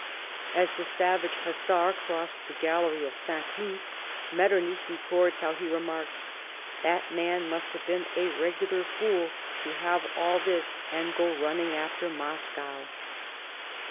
As the savage hussar crossed the gallery of St. Cloud, Metternich records how he remarked :" That man must have been a regular fool to have all this, and go running after Moscow."